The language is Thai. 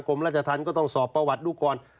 กลมลัชทัณภ์ก็ต้องสอบประวัติดูก่อน